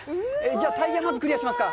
じゃあ、まずクリアしますか。